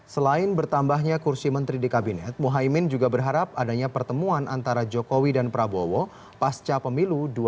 selain bertambahnya kursi menteri di kabinet muhaymin juga berharap adanya pertemuan antara jokowi dan prabowo pasca pemilu dua ribu sembilan belas